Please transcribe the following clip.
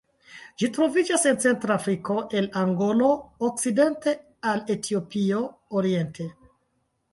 Ĝi troviĝas en centra Afriko, el Angolo okcidente al Etiopio oriente.